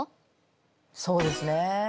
そうですね。